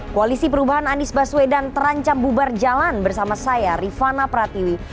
koalisi perubahan anies baswedan terancam bubar jalan bersama saya rifana pratiwi